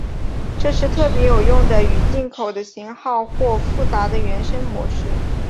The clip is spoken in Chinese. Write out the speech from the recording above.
这是特别有用的与进口的型号或复杂的原生模式。